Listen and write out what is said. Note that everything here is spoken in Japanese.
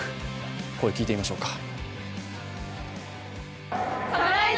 声、聞いてみましょうか。